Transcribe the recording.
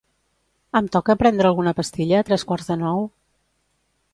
Em toca prendre alguna pastilla a tres quarts de nou?